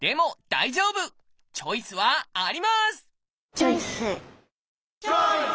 チョイス！